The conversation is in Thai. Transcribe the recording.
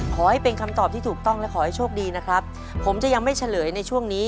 ขอให้เป็นคำตอบที่ถูกต้องและขอให้โชคดีนะครับผมจะยังไม่เฉลยในช่วงนี้